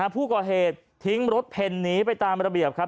ผู้ก่อเหตุทิ้งรถเพ็ญหนีไปตามระเบียบครับ